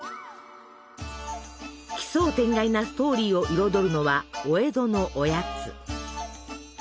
奇想天外なストーリーを彩るのはお江戸のおやつ。